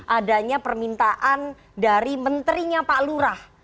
adanya permintaan dari menterinya pak lurah